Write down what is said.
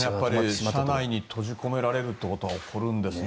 車内に閉じ込められるということが起こるんですね。